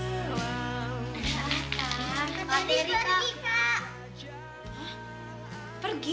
ini suratnya kak